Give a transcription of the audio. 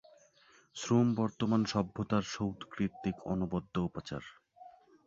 শ্রম বর্তমান সভ্যতার সৌধকৃতির অনবদ্য উপাচার।